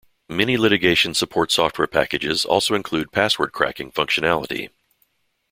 Many litigation support software packages also include password cracking functionality.